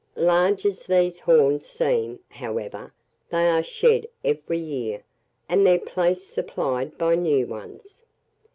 Large as these horns seem, however, they are shed every year, and their place supplied by new ones.